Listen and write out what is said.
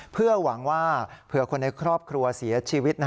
เพื่อหวังว่าเผื่อคนในครอบครัวเสียชีวิต